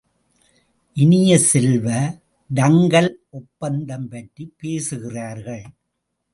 இனிய செல்வ, டங்கல் ஒப்பந்தம் பற்றிப் பேசுகிறார்கள்.